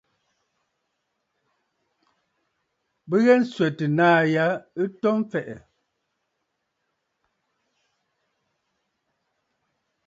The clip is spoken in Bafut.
Bɨ ghɛɛ nswɛ̀tə naà ya ɨ to mfɛ̀ʼɛ̀.